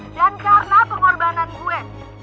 dan karena pengorbanan gue